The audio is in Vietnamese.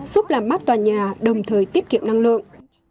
giúp làm mắt toàn nhà đồng thời tiết kiệm năng lượng